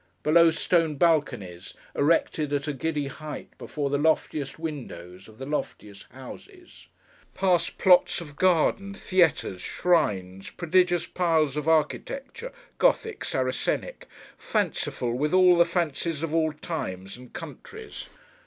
Below stone balconies, erected at a giddy height, before the loftiest windows of the loftiest houses. Past plots of garden, theatres, shrines, prodigious piles of architecture—Gothic—Saracenic—fanciful with all the fancies of all times and countries.